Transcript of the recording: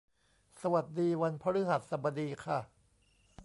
สวัสดีวันพฤหัสบดีค่ะ